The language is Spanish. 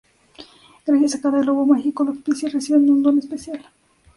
Gracias a cada globo mágico las pixies reciben un don especial.